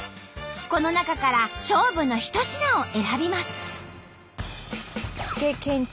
この中から勝負の一品を選びます。